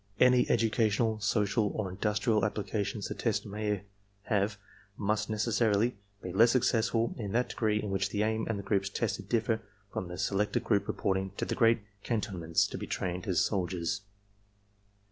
Any educational, social or industrial applications the tests may have must necessarily be less successful in that degree in which the aim and the groups tested differ from the selected group reporting to the great cantonments to be trained as soldiers.